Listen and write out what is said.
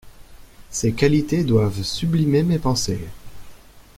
Ses qualités doivent sublimer mes pensées.